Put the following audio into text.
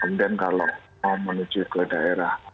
kemudian kalau mau menuju ke daerah